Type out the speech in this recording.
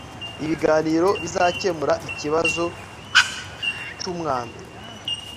ibiganiro bizakemura ikibazo cyumwanda